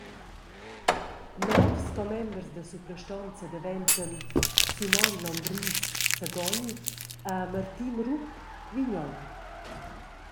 Novs commembers da suprastonza daventan: Simon Lombris, Sagogn, e Martin Rupp, Vignogn.